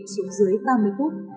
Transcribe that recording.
xuống dưới ba mươi phút